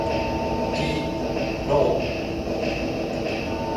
Die "No.